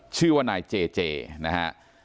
ชื่อว่านายเจเจนะฮะ